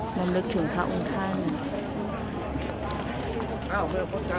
มันเป็นสิ่งที่จะให้ทุกคนรู้สึกว่ามันเป็นสิ่งที่จะให้ทุกคนรู้สึกว่า